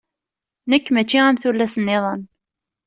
Nekk mačči am tullas-niḍen.